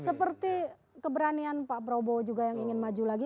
seperti keberanian pak prabowo juga yang ingin maju lagi